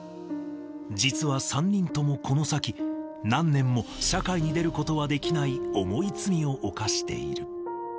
実は３人ともこの先、何年も社会に出ることはできない重い罪を犯している。